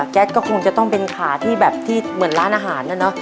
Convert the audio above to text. แก๊สก็คงจะต้องเป็นขาที่เหมือนร้านอาหารนะ